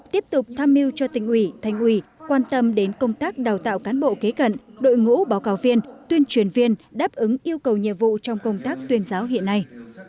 tiếp tục tham mưu cho tỉnh ủy thành ủy quan tâm đến công tác đào tạo cán bộ kế cận đội ngũ báo cáo viên tuyên truyền viên đáp ứng yêu cầu nhiệm vụ trong công tác tuyên giáo hiện nay